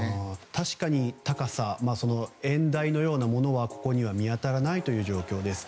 確かに高さ演台のようなものは見当たらないという状況です。